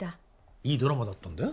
いいドラマだったんだよ